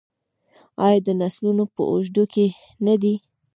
آیا د نسلونو په اوږدو کې نه دی؟